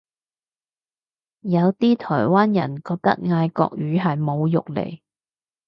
有啲台灣人覺得嗌國語係侮辱嚟